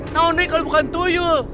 tau nih kalau bukan tujuh